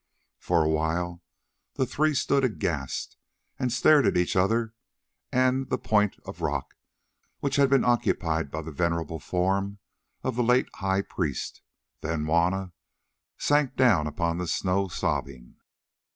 For a while the three stood aghast and stared at each other and the point of rock which had been occupied by the venerable form of the late high priest; then Juanna sank upon the snow sobbing.